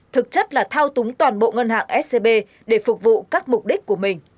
thực chất là thao túng toàn bộ ngân hàng scb để phục vụ các mục đích của mình